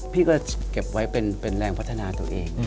พี่ก็เก็บไว้เป็นแรงพัฒนาตัวเอง